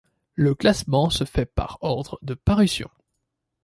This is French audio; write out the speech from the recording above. Le classement se fait par ordre de parution.